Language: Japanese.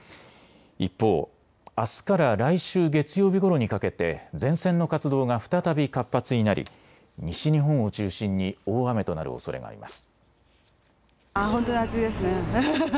一方、あすから来週月曜日ごろにかけて前線の活動が再び活発になり西日本を中心に大雨となるおそれがあります。